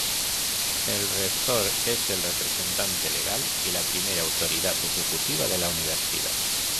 El rector es el representante legal y la primera autoridad ejecutiva de la Universidad.